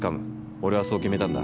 俺はそう決めたんだ。